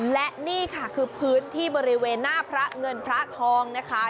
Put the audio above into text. และนี่ค่ะคือพื้นที่บริเวณหน้าพระเงินพระทองนะคะ